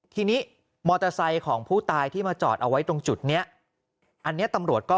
ทีนี้มอเตอร์ไซค์ของผู้ตายที่มาจอดเอาไว้ตรงจุดเนี้ยอันนี้ตำรวจก็